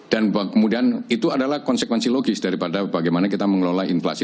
dan kemudian itu adalah konsekuensi logis daripada bagaimana kita mengelola inflasi